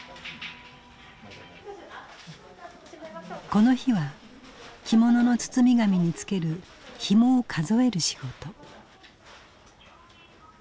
この日は着物の包み紙に付けるひもを数える仕事。